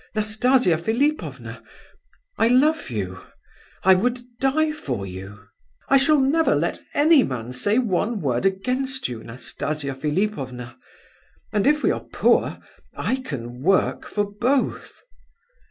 Nastasia Philipovna, I love you! I would die for you. I shall never let any man say one word against you, Nastasia Philipovna! and if we are poor, I can work for both."